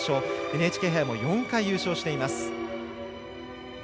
ＮＨＫ杯も４回優勝しています。